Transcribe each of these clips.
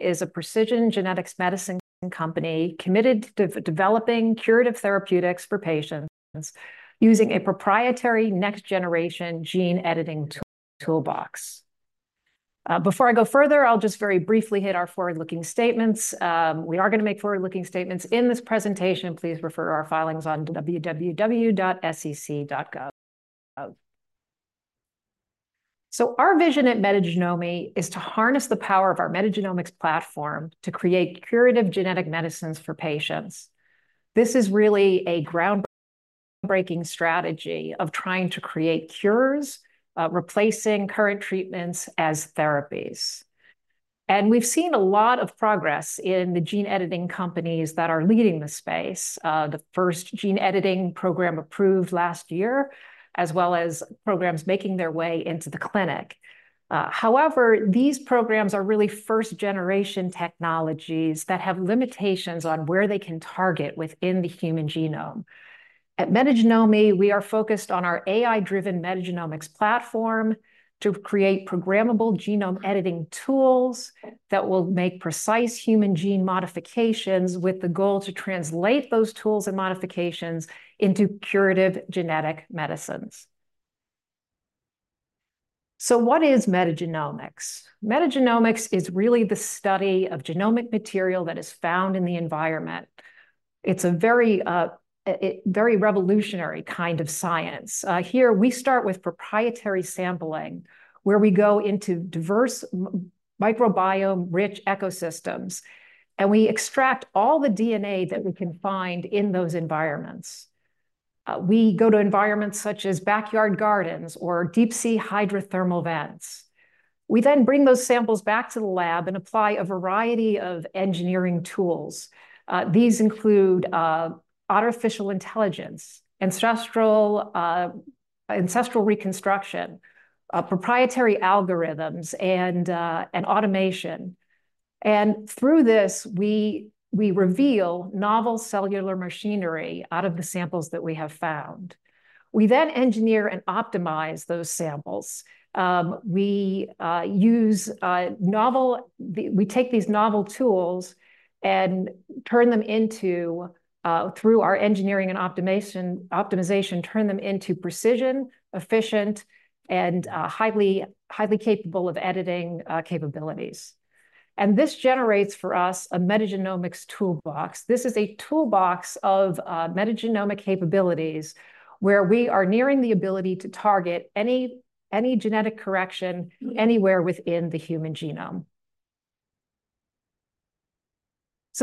is a precision genetic medicines company committed to developing curative therapeutics for patients using a proprietary next generation gene editing toolbox. Before I go further, I'll just very briefly hit our forward-looking statements. We are going to make forward-looking statements in this presentation. Please refer to our filings on www.sec.gov. So our vision at Metagenomi is to harness the power of our metagenomics platform to create curative genetic medicines for patients. This is really a groundbreaking strategy of trying to create cures, replacing current treatments as therapies. And we've seen a lot of progress in the gene editing companies that are leading the space. The first gene editing program approved last year, as well as programs making their way into the clinic. However, these programs are really first-generation technologies that have limitations on where they can target within the human genome. At Metagenomi, we are focused on our AI-driven metagenomics platform to create programmable genome editing tools that will make precise human gene modifications, with the goal to translate those tools and modifications into curative genetic medicines. So what is metagenomics? Metagenomics is really the study of genomic material that is found in the environment. It's a very revolutionary kind of science. Here, we start with proprietary sampling, where we go into diverse microbiome-rich ecosystems, and we extract all the DNA that we can find in those environments. We go to environments such as backyard gardens or deep-sea hydrothermal vents. We then bring those samples back to the lab and apply a variety of engineering tools. These include artificial intelligence, ancestral reconstruction, proprietary algorithms, and automation. Through this, we reveal novel cellular machinery out of the samples that we have found. We then engineer and optimize those samples. We take these novel tools and, through our engineering and optimization, turn them into precision, efficient, and highly capable editing capabilities. This generates for us a metagenomics toolbox. This is a toolbox of metagenomic capabilities, where we are nearing the ability to target any genetic correction anywhere within the human genome.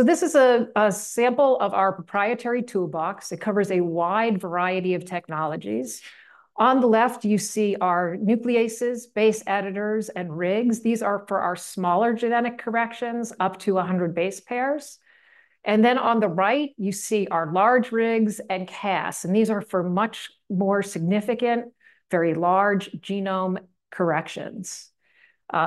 This is a sample of our proprietary toolbox. It covers a wide variety of technologies. On the left, you see our nucleases, base editors, and RIGs. These are for our smaller genetic corrections, up to 100 base pairs. And then on the right, you see our large RIGs and Cas, and these are for much more significant, very large genome corrections.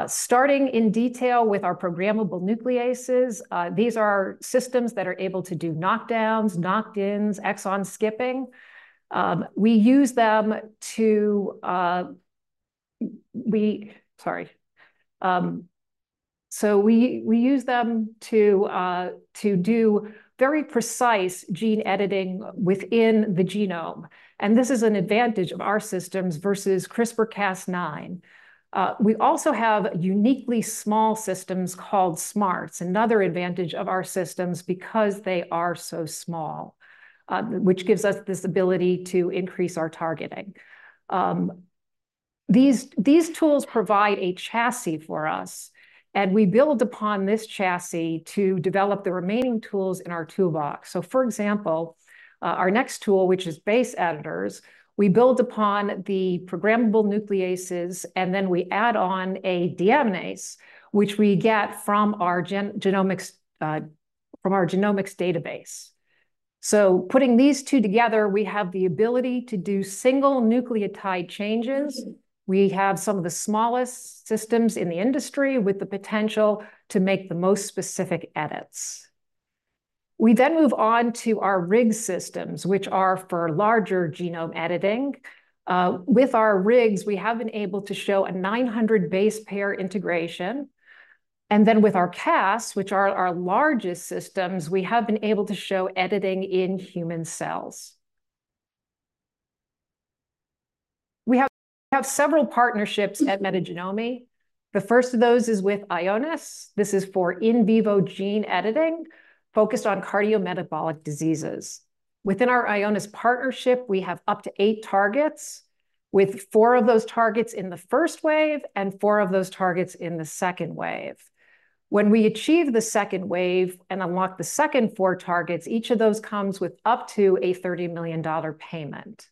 Starting in detail with our programmable nucleases, these are systems that are able to do knockdowns, knockins, exon skipping. We use them to do very precise gene editing within the genome, and this is an advantage of our systems versus CRISPR-Cas9. We also have uniquely small systems called SMARTs, another advantage of our systems because they are so small, which gives us this ability to increase our targeting. These tools provide a chassis for us, and we build upon this chassis to develop the remaining tools in our toolbox. So for example, our next tool, which is base editors, we build upon the programmable nucleases, and then we add on a deaminase, which we get from our metagenomics database. Putting these two together, we have the ability to do single nucleotide changes. We have some of the smallest systems in the industry with the potential to make the most specific edits. We then move on to our RIG systems, which are for larger genome editing. With our RIGs, we have been able to show a nine hundred base pair integration, and then with our Cas, which are our largest systems, we have been able to show editing in human cells. We have several partnerships at Metagenomi. The first of those is with Ionis. This is for in vivo gene editing, focused on cardiometabolic diseases. Within our Ionis partnership, we have up to eight targets, with four of those targets in the first wave and four of those targets in the second wave. When we achieve the second wave and unlock the second four targets, each of those comes with up to a $30 million payment.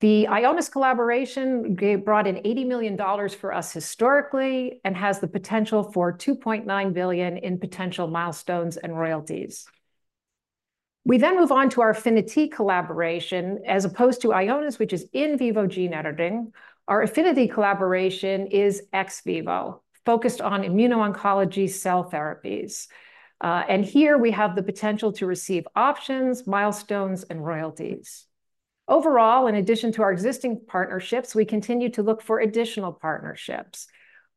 The Ionis collaboration brought in $80 million for us historically and has the potential for $2.9 billion in potential milestones and royalties. We then move on to our Affini-T collaboration. As opposed to Ionis, which is in vivo gene editing, our Affini-T collaboration is ex vivo, focused on immuno-oncology cell therapies, and here we have the potential to receive options, milestones, and royalties. Overall, in addition to our existing partnerships, we continue to look for additional partnerships,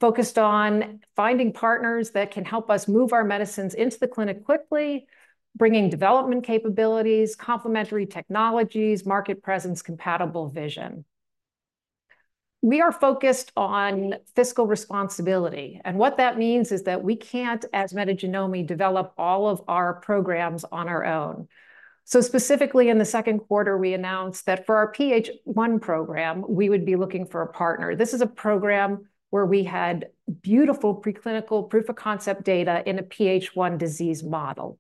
focused on finding partners that can help us move our medicines into the clinic quickly, bringing development capabilities, complementary technologies, market presence, compatible vision. We are focused on fiscal responsibility, and what that means is that we can't, as Metagenomi, develop all of our programs on our own. So specifically, in the second quarter, we announced that for our PH1 program, we would be looking for a partner. This is a program where we had beautiful preclinical proof-of-concept data in a PH1 disease model.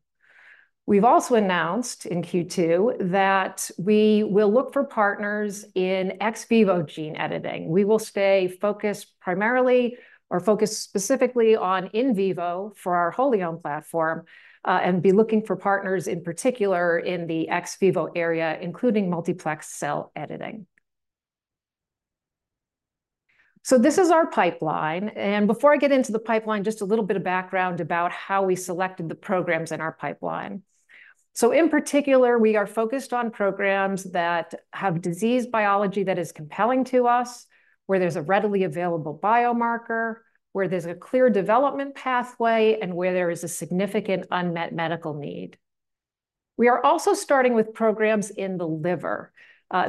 We've also announced in Q2 that we will look for partners in ex vivo gene editing. We will stay focused primarily or focused specifically on in vivo for our holome platform, and be looking for partners, in particular, in the ex vivo area, including multiplex cell editing. This is our pipeline, and before I get into the pipeline, just a little bit of background about how we selected the programs in our pipeline. In particular, we are focused on programs that have disease biology that is compelling to us, where there's a readily available biomarker, where there's a clear development pathway, and where there is a significant unmet medical need. We are also starting with programs in the liver.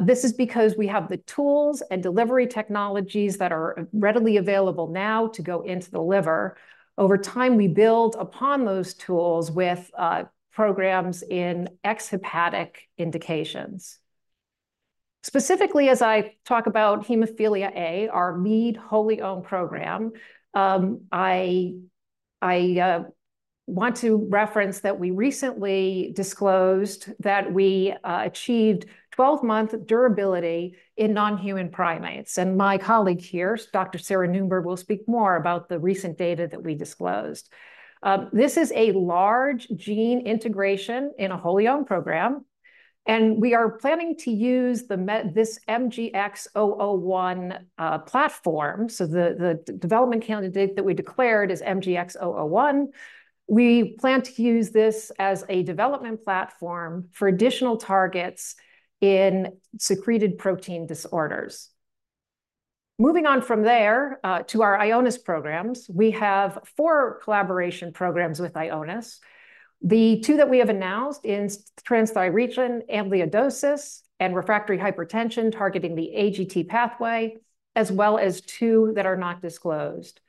This is because we have the tools and delivery technologies that are readily available now to go into the liver. Over time, we build upon those tools with programs in exhepatic indications. Specifically, as I talk about Hemophilia A, our lead wholly-owned program, I want to reference that we achieved 12-month durability in non-human primates, and my colleague here, Dr. Sarah Nuermann will speak more about the recent data that we disclosed. This is a large gene integration in a Hem A program, and we are planning to use this MGX001 platform, so the development candidate that we declared is MGX001. We plan to use this as a development platform for additional targets in secreted protein disorders. Moving on from there, to our Ionis programs, we have four collaboration programs with Ionis. The two that we have announced in transthyretin amyloidosis and refractory hypertension, targeting the AGT pathway, as well as two that are not disclosed.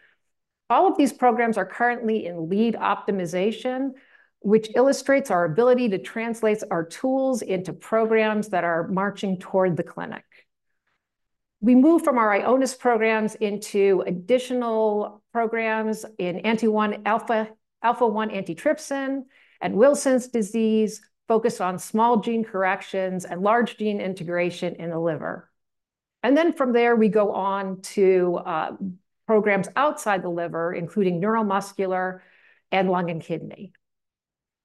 All of these programs are currently in lead optimization, which illustrates our ability to translate our tools into programs that are marching toward the clinic. We move from our Ionis programs into additional programs in alpha-1 antitrypsin and Wilson's disease, focused on small gene corrections and large gene integration in the liver, and then from there, we go on to programs outside the liver, including neuromuscular and lung and kidney.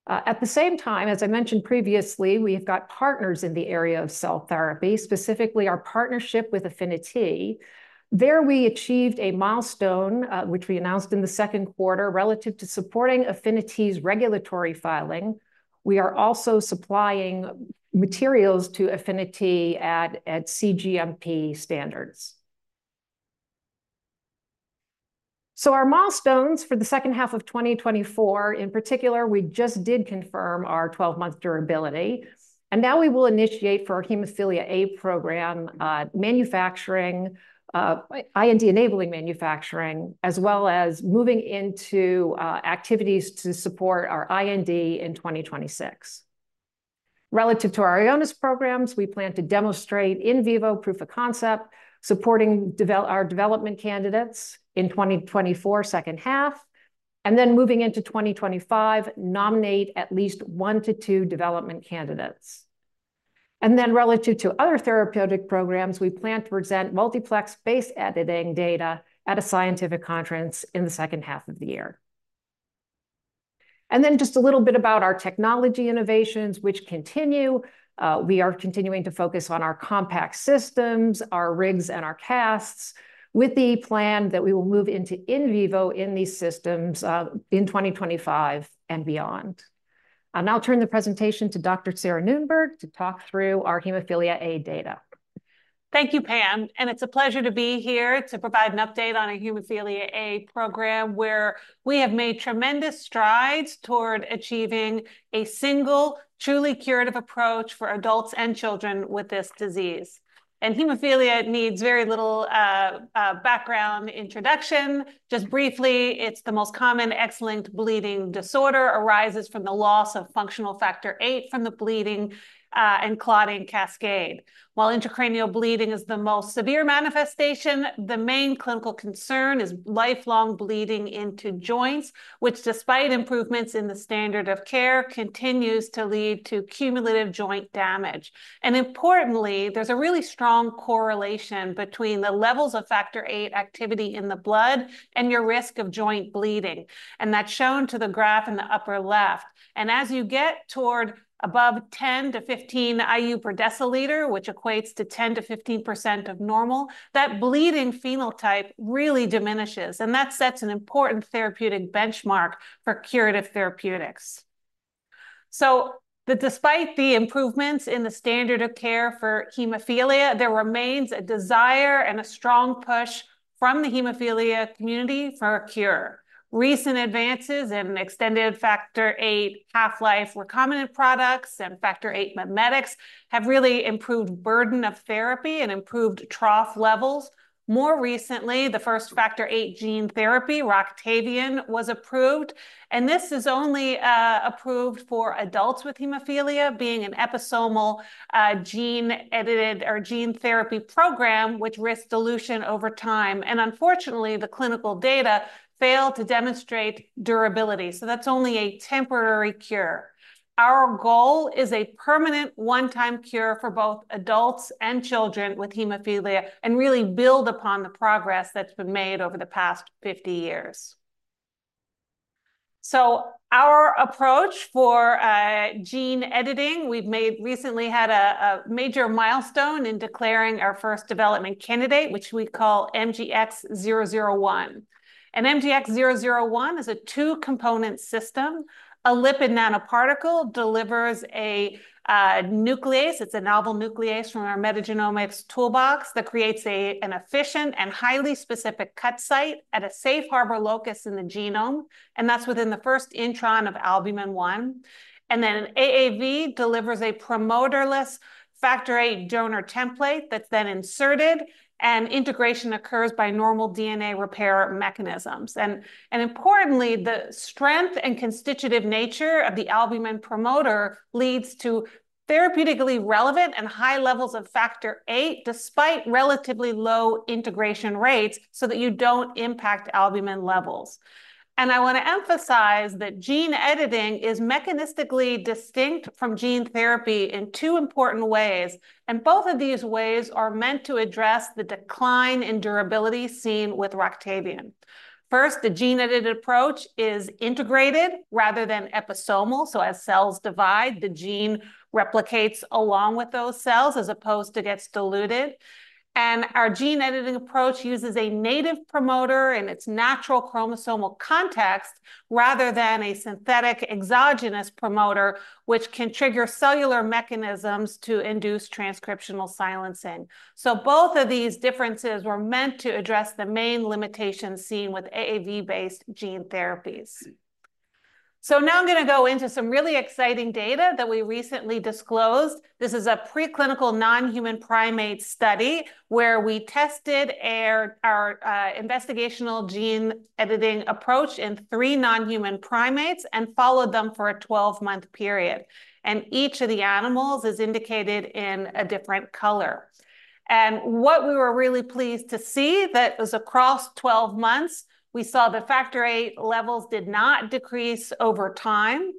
At the same time, as I mentioned previously, we have got partners in the area of cell therapy, specifically our partnership with Affini-T. There, we achieved a milestone, which we announced in the second quarter, relative to supporting Affini-T's regulatory filing. We are also supplying materials to Affini-T at cGMP standards. So our milestones for the second half of 2024, in particular, we just did confirm our 12-month durability, and now we will initiate for our Hemophilia A program manufacturing, IND-enabling manufacturing, as well as moving into activities to support our IND in 2026. Relative to our Ionis programs, we plan to demonstrate in vivo proof of concept, supporting our development candidates in 2024, second half, and then moving into 2025, nominate at least one to two development candidates. And then relative to other therapeutic programs, we plan to present multiplex base editing data at a scientific conference in the second half of the year. And then just a little bit about our technology innovations, which continue. We are continuing to focus on our compact systems, our RIGs, and our Cas systems, with the plan that we will move into in vivo in these systems, in twenty twenty-five and beyond. I'll now turn the presentation to Dr. Sarah Nuermann to talk through our Hemophilia A data. Thank you, Pam, and it's a pleasure to be here to provide an update on our Hemophilia A program, where we have made tremendous strides toward achieving a single, truly curative approach for adults and children with this disease. And Hemophilia needs very little background introduction. Just briefly, it's the most common X-linked bleeding disorder, arises from the loss of functional Factor VIII from the bleeding and clotting cascade. While intracranial bleeding is the most severe manifestation, the main clinical concern is lifelong bleeding into joints, which, despite improvements in the standard of care, continues to lead to cumulative joint damage. And importantly, there's a really strong correlation between the levels of Factor VIII activity in the blood and your risk of joint bleeding, and that's shown to the graph in the upper left. And as you get toward above 10-15 IU per deciliter, which equates to 10%-15% of normal, that bleeding phenotype really diminishes, and that sets an important therapeutic benchmark for curative therapeutics. So, despite the improvements in the standard of care for hemophilia, there remains a desire and a strong push from the hemophilia community for a cure. Recent advances in extended Factor VIII half-life recombinant products and Factor VIII mimetics have really improved burden of therapy and improved trough levels. More recently, the first Factor VIII gene therapy, Roctavian, was approved, and this is only approved for adults with hemophilia, being an episomal gene-edited or gene therapy program, which risks dilution over time. And unfortunately, the clinical data failed to demonstrate durability, so that's only a temporary cure. Our goal is a permanent one-time cure for both adults and children with hemophilia, and really build upon the progress that's been made over the past 50 years. So our approach for gene editing, we've recently had a major milestone in declaring our first development candidate, which we call MGX001. And MGX001 is a two-component system. A lipid nanoparticle delivers a nuclease. It's a novel nuclease from our metagenomics toolbox that creates an efficient and highly specific cut site at a safe harbor locus in the genome, and that's within the first intron of albumin 1. And then, an AAV delivers a promoterless Factor VIII donor template that's then inserted, and integration occurs by normal DNA repair mechanisms. Importantly, the strength and constitutive nature of the albumin promoter leads to therapeutically relevant and high levels of factor VIII, despite relatively low integration rates, so that you don't impact albumin levels. I wanna emphasize that gene editing is mechanistically distinct from gene therapy in two important ways, and both of these ways are meant to address the decline in durability seen with Roctavian. First, the gene-edited approach is integrated rather than episomal, so as cells divide, the gene replicates along with those cells, as opposed to gets diluted. Our gene-editing approach uses a native promoter in its natural chromosomal context, rather than a synthetic exogenous promoter, which can trigger cellular mechanisms to induce transcriptional silencing. Both of these differences were meant to address the main limitations seen with AAV-based gene therapies. Now I'm gonna go into some really exciting data that we recently disclosed. This is a preclinical non-human primate study, where we tested our investigational gene-editing approach in three non-human primates and followed them for a 12-month period, and each of the animals is indicated in a different color. What we were really pleased to see, that was across 12 months, we saw the Factor VIII levels did not decrease over time,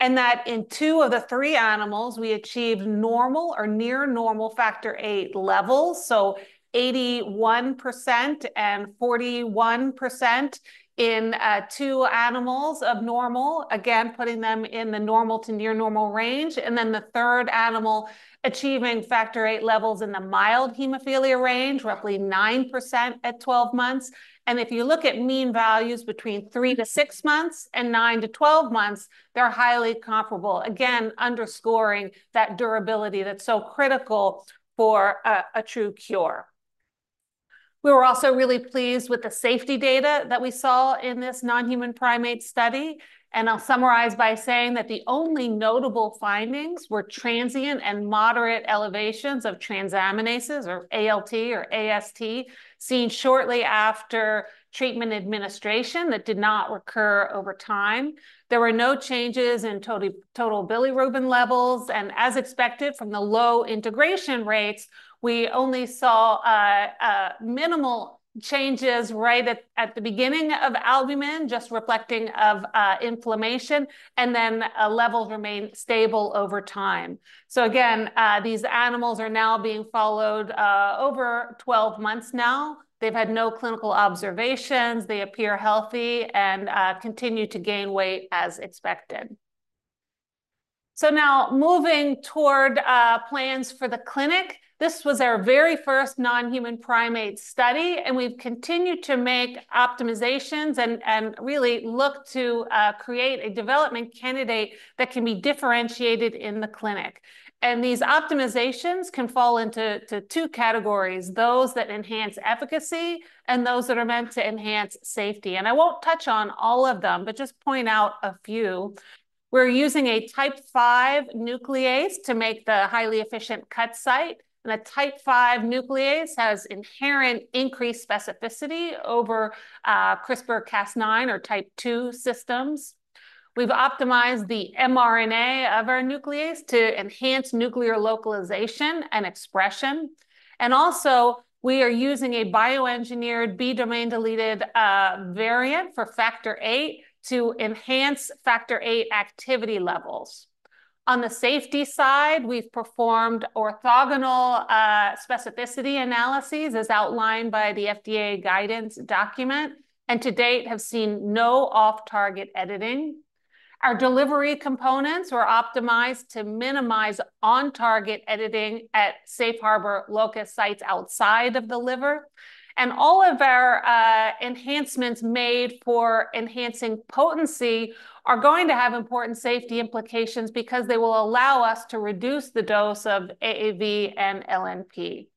and that in two of the three animals, we achieved normal or near normal Factor VIII levels, so 81% and 41% in two animals of normal, again, putting them in the normal to near normal range, the third animal achieving Factor VIII levels in the mild hemophilia range, roughly 9% at 12 months. If you look at mean values between 3-6 months and 9-12 months, they're highly comparable. Again, underscoring that durability that's so critical for a true cure. We were also really pleased with the safety data that we saw in this non-human primate study, and I'll summarize by saying that the only notable findings were transient and moderate elevations of transaminases, or ALT or AST, seen shortly after treatment administration that did not recur over time. There were no changes in total bilirubin levels, and as expected from the low integration rates, we only saw minimal changes right at the beginning of albumin, just reflecting of inflammation, and then levels remained stable over time. So again, these animals are now being followed over 12 months now. They've had no clinical observations. They appear healthy and continue to gain weight as expected. So now, moving toward plans for the clinic, this was our very first non-human primate study, and we've continued to make optimizations and really look to create a development candidate that can be differentiated in the clinic. And these optimizations can fall into two categories: those that enhance efficacy and those that are meant to enhance safety. And I won't touch on all of them, but just point out a few. We're using a type five nuclease to make the highly efficient cut site, and a type five nuclease has inherent increased specificity over CRISPR-Cas9 or type two systems. We've optimized the mRNA of our nuclease to enhance nuclear localization and expression, and also, we are using a bioengineered B-domain-deleted variant for factor VIII to enhance factor VIII activity levels. On the safety side, we've performed orthogonal specificity analyses, as outlined by the FDA guidance document, and to date, have seen no off-target editing. Our delivery components were optimized to minimize on-target editing at safe harbor locus sites outside of the liver. And all of our enhancements made for enhancing potency are going to have important safety implications because they will allow us to reduce the dose of AAV and LNP.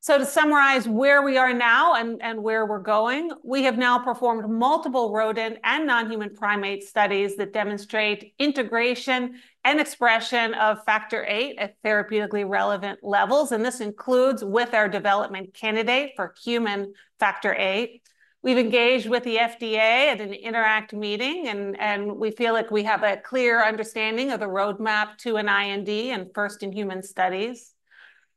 So to summarize where we are now and where we're going, we have now performed multiple rodent and non-human primate studies that demonstrate integration and expression of Factor VIII at therapeutically relevant levels, and this includes with our development candidate for human Factor VIII. We've engaged with the FDA at an INTERACT meeting, and we feel like we have a clear understanding of the roadmap to an IND and first-in-human studies.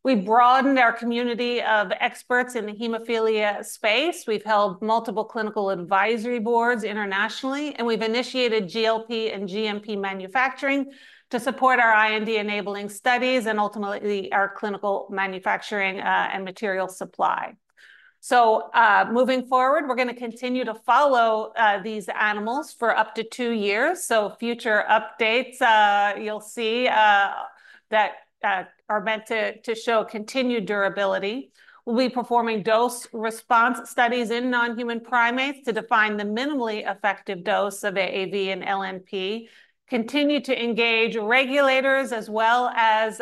We've broadened our community of experts in the hemophilia space. We've held multiple clinical advisory boards internationally, and we've initiated GLP and GMP manufacturing to support our IND-enabling studies and ultimately our clinical manufacturing, and material supply. So, moving forward, we're gonna continue to follow these animals for up to two years. So future updates, you'll see that are meant to show continued durability. We'll be performing dose-response studies in non-human primates to define the minimally effective dose of AAV and LNP, continue to engage regulators as well as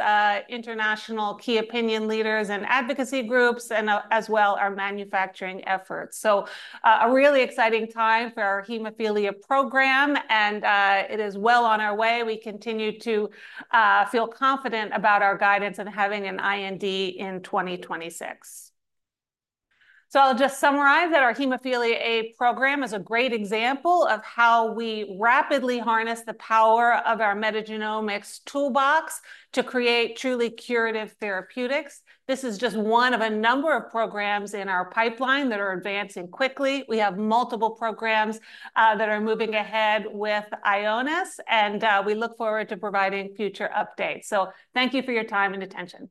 international key opinion leaders and advocacy groups, and as well our manufacturing efforts. So, a really exciting time for our hemophilia program, and it is well on our way. We continue to feel confident about our guidance and having an IND in 2026. I'll just summarize that our Hemophilia A program is a great example of how we rapidly harness the power of our metagenomics toolbox to create truly curative therapeutics. This is just one of a number of programs in our pipeline that are advancing quickly. We have multiple programs that are moving ahead with Ionis, and we look forward to providing future updates. Thank you for your time and attention.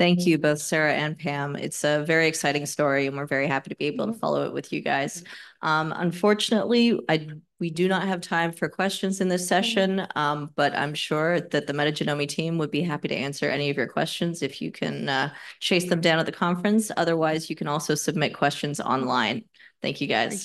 Thank you, both Sarah and Pam. It's a very exciting story, and we're very happy to be able to follow it with you guys. Unfortunately, we do not have time for questions in this session, but I'm sure that the Metagenomi team would be happy to answer any of your questions if you can chase them down at the conference. Otherwise, you can also submit questions online. Thank you, guys.